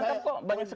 hal lain yang terjadi